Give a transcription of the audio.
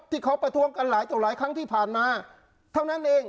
ที่เขาประท้วงกันหลายต่อหลายครั้งที่ผ่านมาเท่านั้นเอง